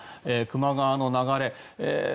球磨川の流れ